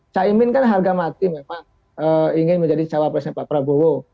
caimin kan harga mati memang ingin menjadi cawapresnya pak prabowo